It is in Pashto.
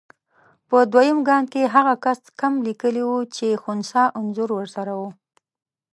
په دویم ګام کې هغه کس کم لیکلي وو چې خنثی انځور ورسره وو.